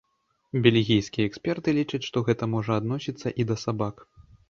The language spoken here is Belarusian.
Бельгійскія эксперты лічаць, што гэта можа адносіцца і да сабак.